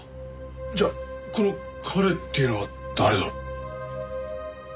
じゃあこの「彼」っていうのは誰だ？